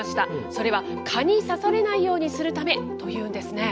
それは蚊に刺されないようにするためというんですね。